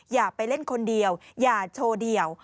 อย่าไปเล่นคนเดียวอย่าโชว์เดี่ยว